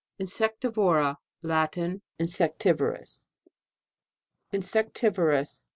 INSECTIVORA. Latin. Insectivorous. INSECTIVOROUS.